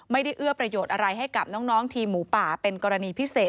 เอื้อประโยชน์อะไรให้กับน้องทีมหมูป่าเป็นกรณีพิเศษ